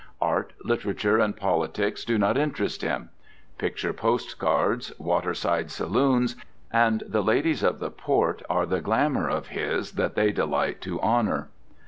Art, literature, and politics do not interest them. Picture postcards, waterside saloons, and the ladies of the port are the glamour of his that they delight to honour.